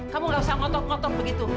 kamu gak usah ngotok ngotok begitu